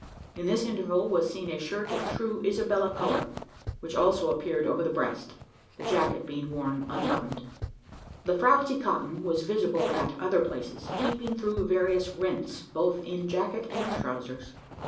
In this interval was seen a shirt of true Isabella colour, which also appeared over the breast the jacket being worn unbuttoned. The frouzy cotton was visible at other places peeping through various rents both in jacket and trousers.